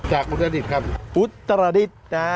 จากอุตรดิตครับอุตรดิตนะ